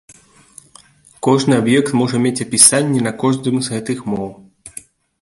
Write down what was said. Кожны аб'ект можа мець апісанні на кожным з гэтых моў.